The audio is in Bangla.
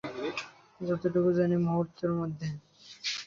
যতোটুকু জানি, মূহুর্তের মধ্যে।